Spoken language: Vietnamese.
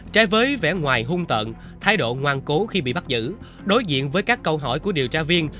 trái với vẻ ngoài hung tợn thái độ ngoan cố khi bị bắt giữ đối diện với các câu hỏi của điều tra viên